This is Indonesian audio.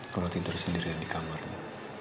kalau tidur sendirian di kamarnya